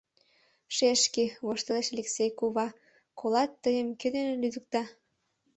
— Шешке, — воштылеш Элексей кува, — колат, тыйым кӧ дене лӱдыкта.